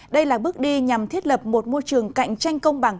đây là bước đi nhằm thiết lập một môi trường cạnh tranh công bằng